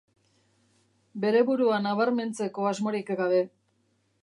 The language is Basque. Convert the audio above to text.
Bere burua nabarmentzeko asmorik gabe.